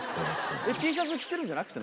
Ｔシャツ着てるんじゃなくて？